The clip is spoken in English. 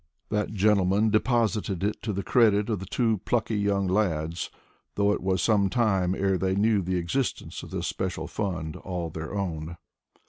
That gentleman deposited it to the credit of the two plucky young lads, though it was some time ere they knew the existence of this special fund, all their own.